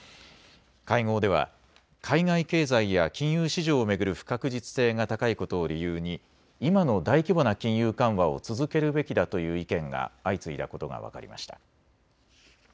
会合では海外経済や金融市場を巡る不確実性が高いことを理由に今の大規模な金融緩和を続けるべきだという意見が相次いだことが分かりました。